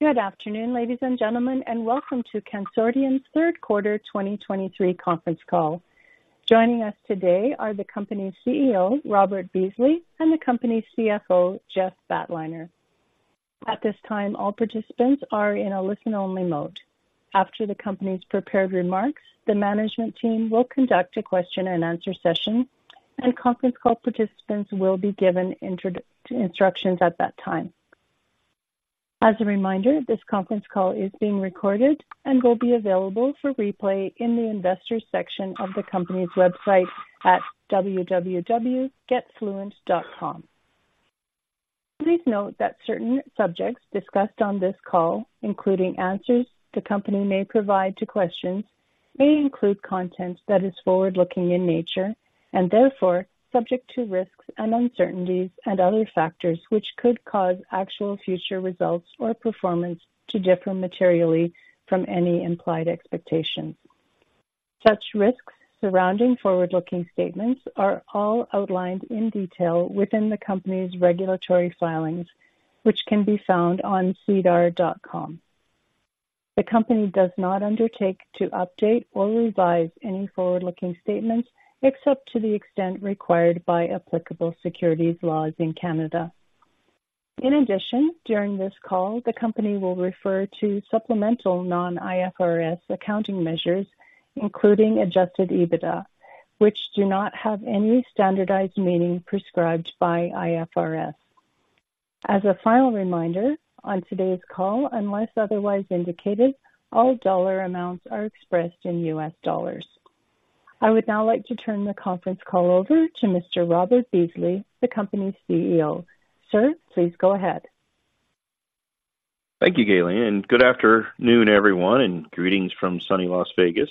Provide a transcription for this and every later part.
Good afternoon, ladies and gentlemen, and welcome to Cansortium's Third Quarter 2023 conference call. Joining us today are the company's CEO, Robert Beasley, and the company's CFO, Jeff Batliner. At this time, all participants are in a listen-only mode. After the company's prepared remarks, the management team will conduct a question-and-answer session, and conference call participants will be given instructions at that time. As a reminder, this conference call is being recorded and will be available for replay in the investors section of the company's website at www.getfluent.com. Please note that certain subjects discussed on this call, including answers the company may provide to questions, may include content that is forward-looking in nature, and therefore subject to risks and uncertainties and other factors which could cause actual future results or performance to differ materially from any implied expectations. Such risks surrounding forward-looking statements are all outlined in detail within the company's regulatory filings, which can be found on sedar.com. The company does not undertake to update or revise any forward-looking statements, except to the extent required by applicable securities laws in Canada. In addition, during this call, the company will refer to supplemental non-IFRS accounting measures, including adjusted EBITDA, which do not have any standardized meaning prescribed by IFRS. As a final reminder, on today's call, unless otherwise indicated, all dollar amounts are expressed in U.S. dollars. I would now like to turn the conference call over to Mr. Robert Beasley, the company's CEO. Sir, please go ahead. Thank you, Gailen, and good afternoon, everyone, and greetings from Sunny Las Vegas.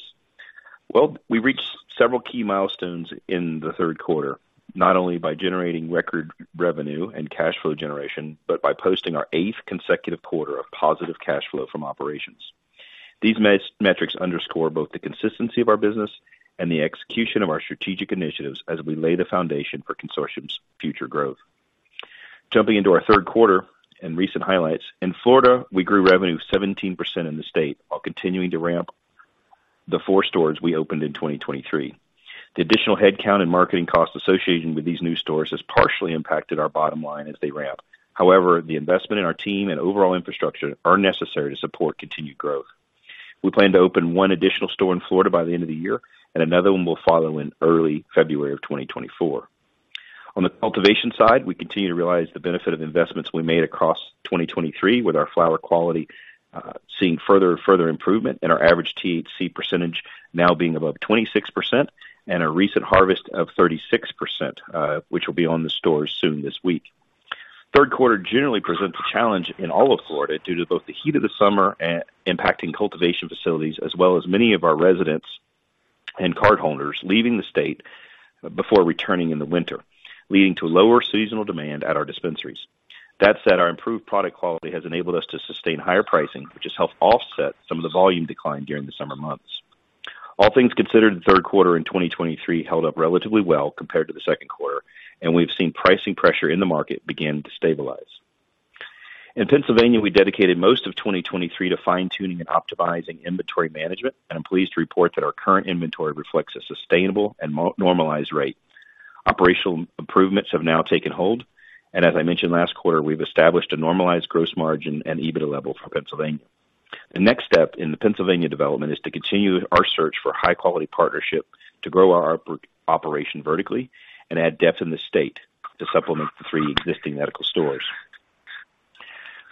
Well, we reached several key milestones in the third quarter, not only by generating record revenue and cash flow generation, but by posting our eighth consecutive quarter of positive cash flow from operations. These metrics underscore both the consistency of our business and the execution of our strategic initiatives as we lay the foundation for Cansortium's future growth. Jumping into our third quarter and recent highlights, in Florida, we grew revenue 17% in the state while continuing to ramp the four stores we opened in 2023. The additional headcount and marketing costs associated with these new stores has partially impacted our bottom line as they ramp. However, the investment in our team and overall infrastructure are necessary to support continued growth. We plan to open one additional store in Florida by the end of the year, and another one will follow in early February of 2024. On the cultivation side, we continue to realize the benefit of investments we made across 2023, with our flower quality seeing further and further improvement and our average THC percentage now being above 26% and a recent harvest of 36%, which will be on the stores soon this week. Third quarter generally presents a challenge in all of Florida due to both the heat of the summer impacting cultivation facilities, as well as many of our residents and cardholders leaving the state before returning in the winter, leading to lower seasonal demand at our dispensaries. That said, our improved product quality has enabled us to sustain higher pricing, which has helped offset some of the volume decline during the summer months. All things considered, the third quarter in 2023 held up relatively well compared to the second quarter, and we've seen pricing pressure in the market begin to stabilize. In Pennsylvania, we dedicated most of 2023 to fine-tuning and optimizing inventory management, and I'm pleased to report that our current inventory reflects a sustainable and normalized rate. Operational improvements have now taken hold, and as I mentioned last quarter, we've established a normalized gross margin and EBITDA level for Pennsylvania. The next step in the Pennsylvania development is to continue our search for high-quality partnership, to grow our operation vertically and add depth in the state to supplement the three existing medical stores.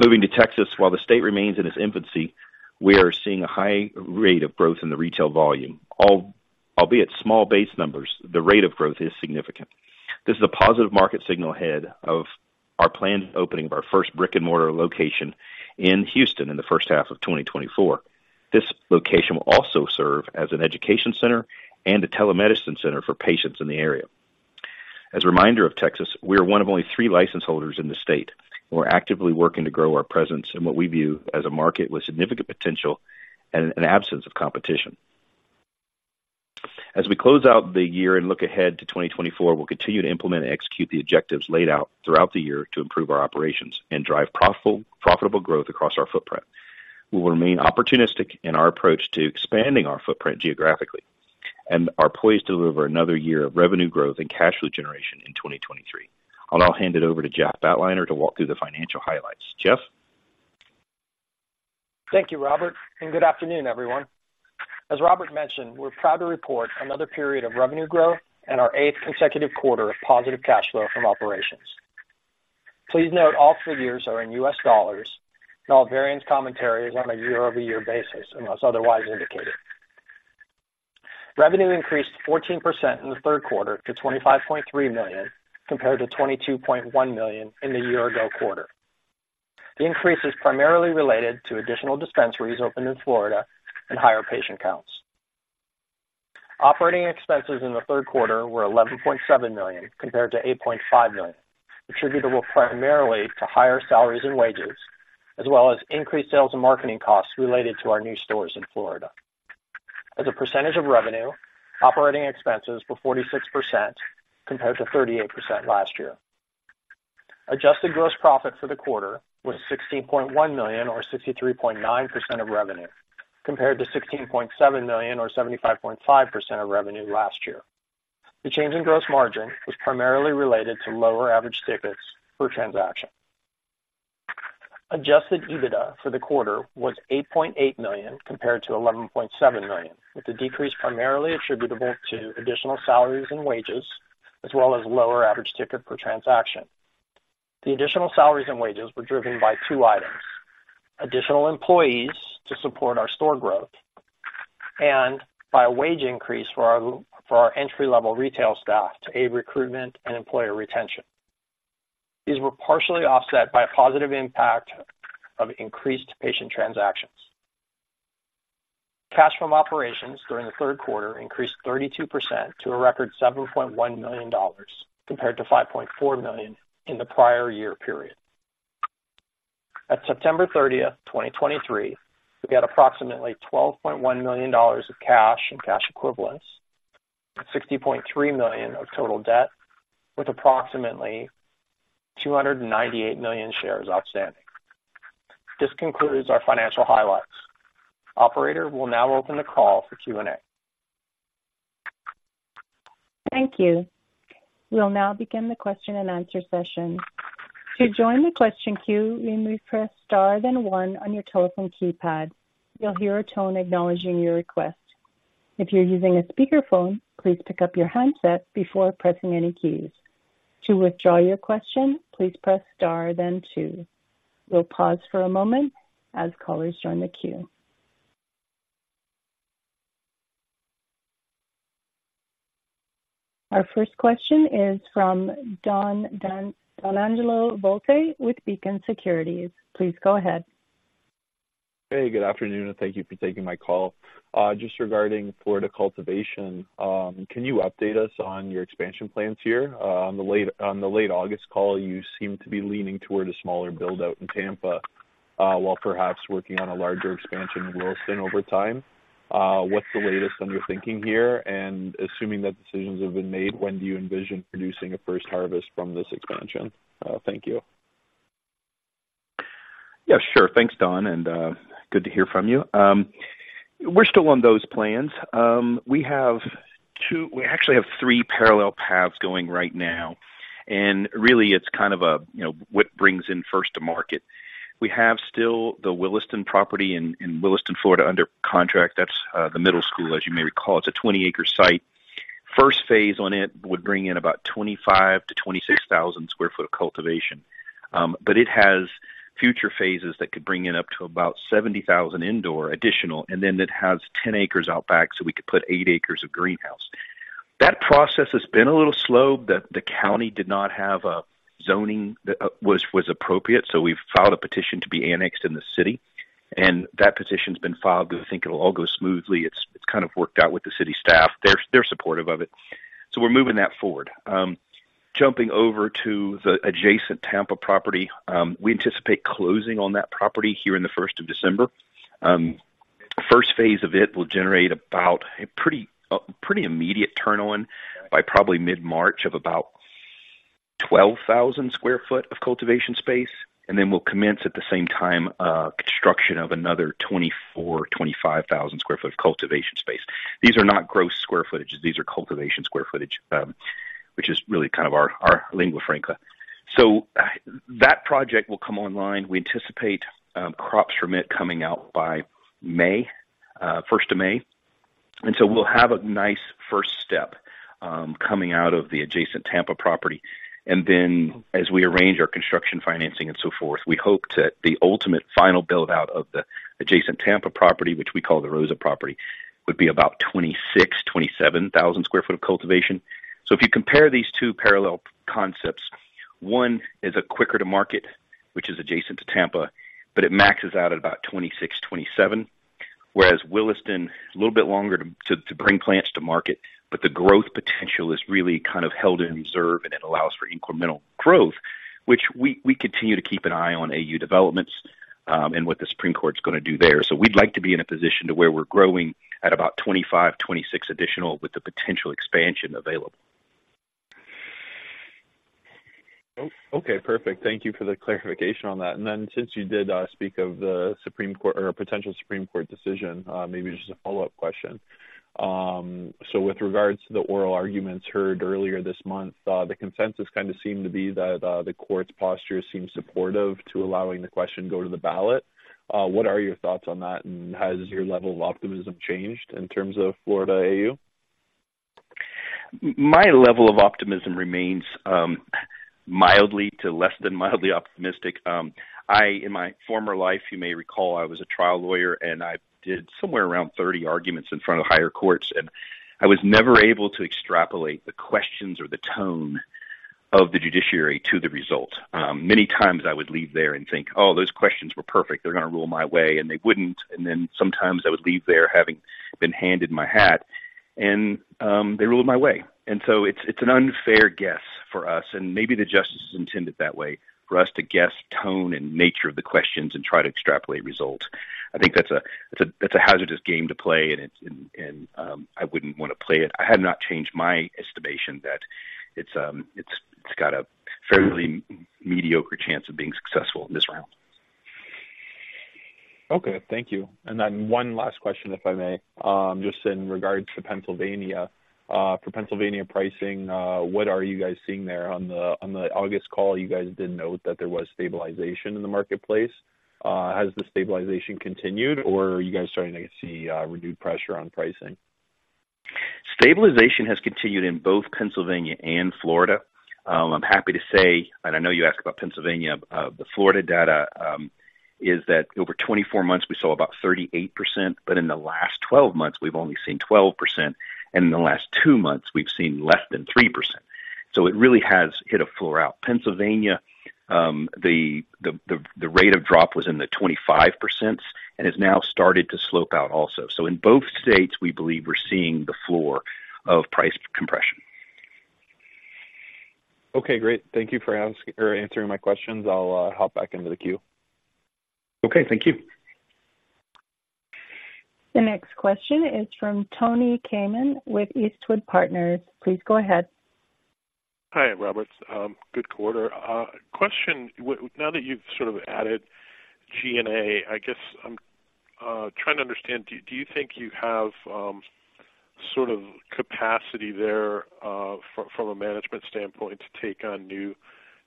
Moving to Texas, while the state remains in its infancy, we are seeing a high rate of growth in the retail volume. Albeit small base numbers, the rate of growth is significant. This is a positive market signal ahead of our planned opening of our first brick-and-mortar location in Houston in the first half of 2024. This location will also serve as an education center and a telemedicine center for patients in the area. As a reminder of Texas, we are one of only three license holders in the state. We're actively working to grow our presence in what we view as a market with significant potential and an absence of competition. As we close out the year and look ahead to 2024, we'll continue to implement and execute the objectives laid out throughout the year to improve our operations and drive profitable, profitable growth across our footprint. We will remain opportunistic in our approach to expanding our footprint geographically and are poised to deliver another year of revenue growth and cash flow generation in 2023. I'll now hand it over to Jeff Batliner to walk through the financial highlights. Jeff? Thank you, Robert, and good afternoon, everyone. As Robert mentioned, we're proud to report another period of revenue growth and our eighth consecutive quarter of positive cash flow from operations. Please note all figures are in U.S. dollars, and all variance commentary is on a year-over-year basis, unless otherwise indicated. Revenue increased 14% in the third quarter to $25.3 million, compared to $22.1 million in the year-ago quarter. The increase is primarily related to additional dispensaries opened in Florida and higher patient counts. Operating expenses in the third quarter were $11.7 million, compared to $8.5 million, attributable primarily to higher salaries and wages, as well as increased sales and marketing costs related to our new stores in Florida. ...As a percentage of revenue, operating expenses were 46%, compared to 38% last year. Adjusted Gross Profit for the quarter was $16.1 million, or 63.9% of revenue, compared to $16.7 million or 75.5% of revenue last year. The change in gross margin was primarily related to lower average tickets per transaction. Adjusted EBITDA for the quarter was $8.8 million, compared to $11.7 million, with the decrease primarily attributable to additional salaries and wages, as well as lower average ticket per transaction. The additional salaries and wages were driven by two items: additional employees to support our store growth and by a wage increase for our entry-level retail staff to aid recruitment and employee retention. These were partially offset by a positive impact of increased patient transactions. Cash from operations during the third quarter increased 32% to a record $7.1 million, compared to $5.4 million in the prior year period. At September 30th, 2023, we had approximately $12.1 million of cash and cash equivalents, and $60.3 million of total debt, with approximately 298 million shares outstanding. This concludes our financial highlights. Operator, we'll now open the call for Q&A. Thank you. We'll now begin the question-and-answer session. To join the question queue, you may press star then one on your telephone keypad. You'll hear a tone acknowledging your request. If you're using a speakerphone, please pick up your handset before pressing any keys. To withdraw your question, please press star then two. We'll pause for a moment as callers join the queue. Our first question is from Donangelo Volpe with Beacon Securities. Please go ahead. Hey, good afternoon, and thank you for taking my call. Just regarding Florida cultivation, can you update us on your expansion plans here? On the late August call, you seemed to be leaning toward a smaller build-out in Tampa, while perhaps working on a larger expansion in Williston over time. What's the latest on your thinking here? And assuming that decisions have been made, when do you envision producing a first harvest from this expansion? Thank you. Yeah, sure. Thanks, Don, and good to hear from you. We're still on those plans. We have two... We actually have three parallel paths going right now, and really, it's kind of a, you know, what brings in first to market. We have still the Williston property in, in Williston, Florida, under contract. That's the middle school, as you may recall. It's a 20-acre site. First phase on it would bring in about 25,000 to 26,000 sq ft of cultivation. But it has future phases that could bring in up to about 70,000 indoor additional, and then it has 10 acres out back, so we could put 8 acres of greenhouse. That process has been a little slow. The county did not have a zoning that was appropriate, so we've filed a petition to be annexed in the city, and that petition's been filed. I think it'll all go smoothly. It's kind of worked out with the city staff. They're supportive of it. So we're moving that forward. Jumping over to the adjacent Tampa property, we anticipate closing on that property here in the first of December. First phase of it will generate about a pretty immediate turn on by probably mid-March of about 12,000 sq ft of cultivation space, and then we'll commence, at the same time, construction of another 24,000-25,000 sq ft of cultivation space. These are not gross square footage. These are cultivation square footage, which is really kind of our lingua franca. So, that project will come online. We anticipate, crops from it coming out by May, first of May. And so we'll have a nice first step, coming out of the adjacent Tampa property. And then, as we arrange our construction, financing, and so forth, we hope that the ultimate final build-out of the adjacent Tampa property, which we call the Rosa property, would be about 26,000-27,000 sq ft of cultivation. So if you compare these two parallel concepts, one is quicker to market, which is adjacent to Tampa, but it maxes out at about 26-27, whereas Williston, a little bit longer to bring plants to market, but the growth potential is really kind of held in reserve, and it allows for incremental growth, which we continue to keep an eye on AU developments, and what the Supreme Court is going to do there. So we'd like to be in a position to where we're growing at about 25-26 additional, with the potential expansion available. Oh, okay, perfect. Thank you for the clarification on that. And then since you did speak of the Supreme Court or a potential Supreme Court decision, maybe just a follow-up question. So with regards to the oral arguments heard earlier this month, the consensus kind of seemed to be that the court's posture seemed supportive to allowing the question go to the ballot. What are your thoughts on that, and has your level of optimism changed in terms of Florida AU? My level of optimism remains mildly to less than mildly optimistic. In my former life, you may recall, I was a trial lawyer, and I did somewhere around 30 arguments in front of higher courts, and I was never able to extrapolate the questions or the tone of the judiciary to the result. Many times I would leave there and think, "Oh, those questions were perfect. They're going to rule my way," and they wouldn't. And then sometimes I would leave there having been handed my hat. And they ruled my way. And so it's an unfair guess for us, and maybe the justices intend it that way, for us to guess tone and nature of the questions and try to extrapolate results. I think that's a hazardous game to play, and I wouldn't want to play it. I have not changed my estimation that it's got a fairly mediocre chance of being successful in this round. Okay, thank you. And then one last question, if I may. Just in regards to Pennsylvania. For Pennsylvania pricing, what are you guys seeing there? On the, on the August call, you guys did note that there was stabilization in the marketplace. Has the stabilization continued, or are you guys starting to see renewed pressure on pricing? Stabilization has continued in both Pennsylvania and Florida. I'm happy to say, and I know you asked about Pennsylvania, the Florida data is that over 24 months, we saw about 38%, but in the last 12 months, we've only seen 12%, and in the last two months, we've seen less than 3%. So it really has hit a floor out. Pennsylvania, the rate of drop was in the 25% and has now started to slope out also. So in both states, we believe we're seeing the floor of price compression. Okay, great. Thank you for answering my questions. I'll hop back into the queue. Okay, thank you. The next question is from Tony Kamin with Eastwood Partners. Please go ahead. Hi, Robert. Good quarter. Question, now that you've sort of added G&A, I guess I'm trying to understand, do you think you have sort of capacity there from a management standpoint to take on new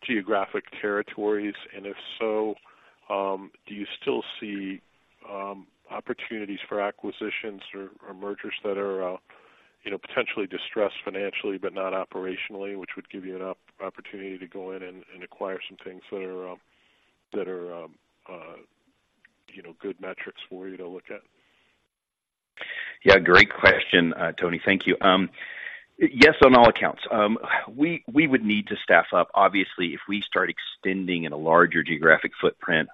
geographic territories? And if so, do you still see opportunities for acquisitions or mergers that are, you know, potentially distressed financially, but not operationally, which would give you an opportunity to go in and acquire some things that are, you know, good metrics for you to look at? Yeah, great question, Tony. Thank you. Yes, on all accounts. We would need to staff up, obviously, if we start extending in a larger geographic footprint,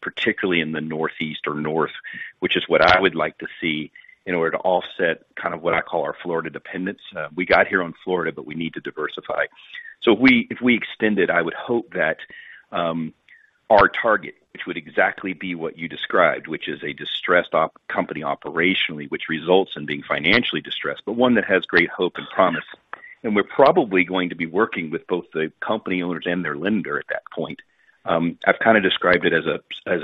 particularly in the Northeast or North, which is what I would like to see in order to offset kind of what I call our Florida dependence. We got here on Florida, but we need to diversify. So if we extended, I would hope that our target, which would exactly be what you described, which is a distressed op- company operationally, which results in being financially distressed, but one that has great hope and promise. And we're probably going to be working with both the company owners and their lender at that point. I've kind of described it as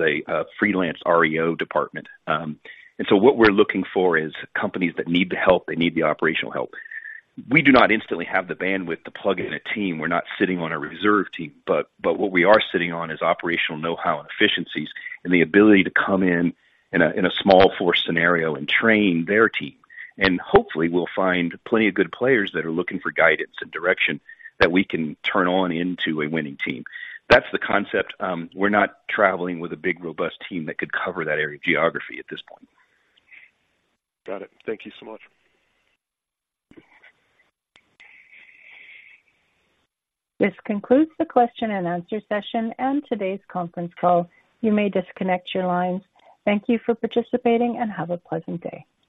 a freelance REO department. And so what we're looking for is companies that need the help, they need the operational help. We do not instantly have the bandwidth to plug in a team. We're not sitting on a reserve team, but what we are sitting on is operational know-how and efficiencies and the ability to come in in a small force scenario and train their team. And hopefully, we'll find plenty of good players that are looking for guidance and direction that we can turn on into a winning team. That's the concept. We're not traveling with a big, robust team that could cover that area of geography at this point. Got it. Thank you so much. This concludes the question and answer session and today's conference call. You may disconnect your lines. Thank you for participating, and have a pleasant day.